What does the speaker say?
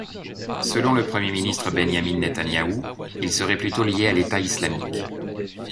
Selon le Premier ministre Benyamin Netanyahou, il serait plutôt lié à l'État islamique.